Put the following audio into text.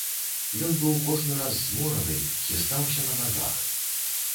Ён быў кожны раз змораны, хістаўся на нагах.